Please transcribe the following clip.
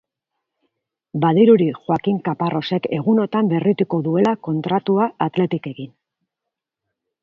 Badirudi joaquin caparrosek egunotan berrituko duela kontratua athleticekin.